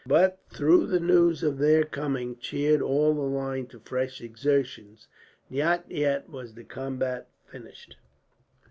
But though the news of their coming cheered all the line to fresh exertions, not yet was the combat finished.